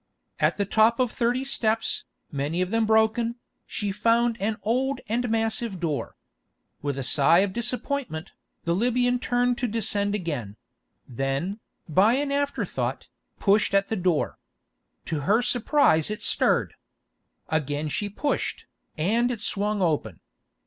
At the top of thirty steps, many of them broken, she found an old and massive door. With a sigh of disappointment, the Libyan turned to descend again; then, by an afterthought, pushed at the door. To her surprise it stirred. Again she pushed, and it swung open.